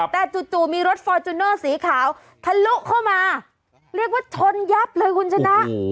แต่จู่มีรถฟอร์จูเนอร์สีขาวทะลุเข้ามาเรียกว่าชนยับเลยคุณชนะ